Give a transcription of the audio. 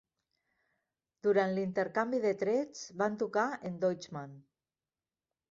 Durant l'intercanvi de trets, van tocar en Deutschmann.